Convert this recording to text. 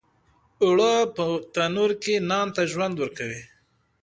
اوړه په تنور کې نان ته ژوند ورکوي